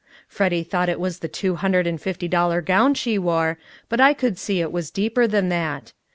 Freddy thought it was the two hundred and fifty dollar gown she wore, but I could see it was deeper than that.